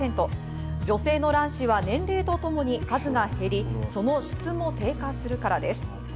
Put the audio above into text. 女性の卵子は年齢とともに数が減り、その質も低下するからです。